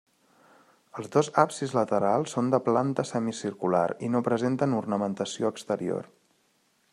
Els dos absis laterals són de planta semicircular i no presenten ornamentació exterior.